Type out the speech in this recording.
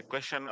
beri ulasan oke